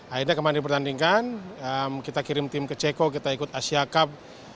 akhirnya kemarin dipertandingkan kita kirim tim ke ceko kita ikut asia cup